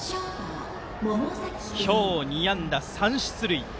今日、２安打３出塁。